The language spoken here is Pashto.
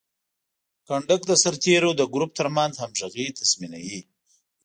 کنډک د سرتیرو د ګروپ ترمنځ همغږي تضمینوي.